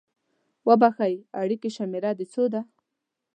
اوبښئ! اړیکې شمیره د څو ده؟